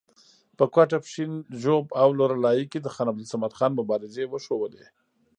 په کوټه، پښین، ژوب او لور لایي کې د خان عبدالصمد خان مبارزې وښودلې.